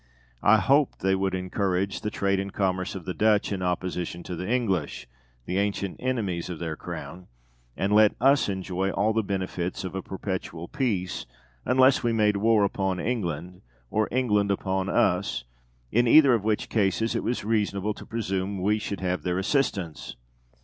I hoped they would encourage the trade and commerce of the Dutch in opposition to the English, the ancient enemies of their Crown, and let us enjoy all the benefits of a perpetual peace, unless we made war upon England, or England upon us, in either of which cases it was reasonable to presume we should have their assistance.